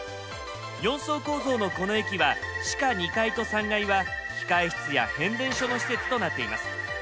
４層構造のこの駅は地下２階と３階は機械室や変電所の施設となっています。